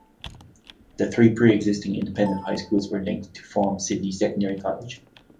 The three pre-existing independent high schools were linked to form Sydney Secondary College.